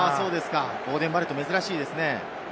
ボーデン・バレット、珍しいですね。